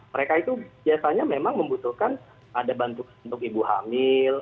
mereka itu biasanya memang membutuhkan ada bantuan untuk ibu hamil